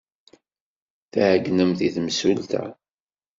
Tɛeyynemt i temsulta.